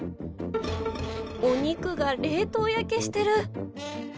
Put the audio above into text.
お肉が冷凍焼けしてる。